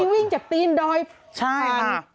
ใช่วิ่งจากตีนดอยไข้มากใช่